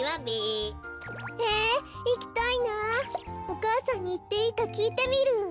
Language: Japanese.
お母さんにいっていいかきいてみる。